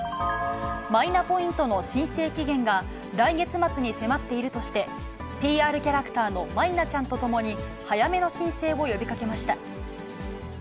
マイナポイントの申請期限が来月末に迫っているとして、ＰＲキャラクターのマイナちゃんと共に、早めの申請を呼びかけました。